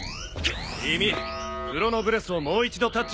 君クロノブレスをもう一度タッチして。